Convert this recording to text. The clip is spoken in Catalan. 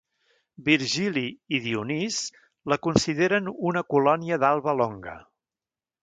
Virgili i Dionís la consideren una colònia d'Alba Longa.